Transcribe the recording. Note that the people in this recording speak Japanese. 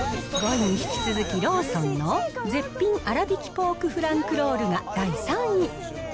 ５位に引き続き、ローソンの絶品あらびきポークフランクロールが第３位。